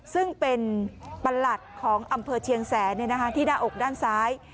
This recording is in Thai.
ซึ่งเป็นประหลัดของอำเภอเชียงแสนที่หน้าอกด้านซ้าย